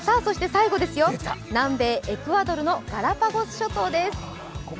最後ですよ、南米エクアドルのガラパゴス諸島です。